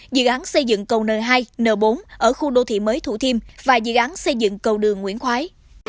dự án xây dựng cầu n hai n bốn ở khu đô thị mới thủ thiêm và dự án xây dựng cầu đường nguyễn khoái